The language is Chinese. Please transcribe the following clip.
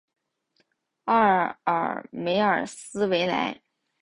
奥尔梅尔斯维莱。